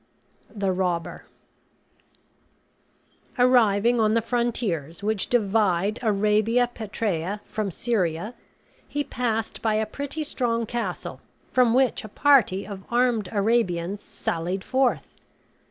THE ROBBER Arriving on the frontiers which divide Arabia Petræa from Syria, he passed by a pretty strong castle, from which a party of armed Arabians sallied forth.